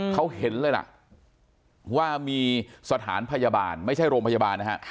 เขาเห็นเลยล่ะว่ามีสถานพยาบาลไม่ใช่โรงพยาบาลนะฮะ